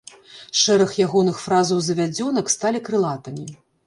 Шэраг ягоных фразаў-завядзёнак сталі крылатымі.